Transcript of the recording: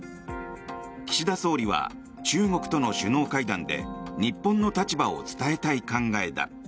岸田総理は中国との首脳会談で日本の立場を伝えたい考えだ。